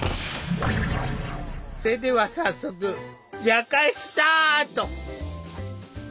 それでは早速夜会スタート！